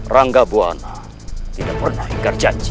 rangga buana tidak pernah ingkar janji